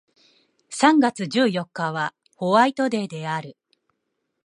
三月十四日はホワイトデーである